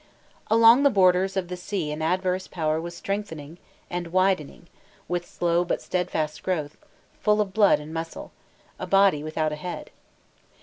Along the borders of the sea an adverse power was strengthening and widening, with slow but steadfast growth, full of blood and muscle, a body without a head.